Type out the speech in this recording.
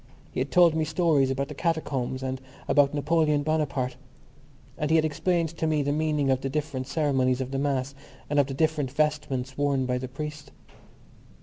He had told me stories about the catacombs and about Napoleon Bonaparte, and he had explained to me the meaning of the different ceremonies of the Mass and of the different vestments worn by the priest.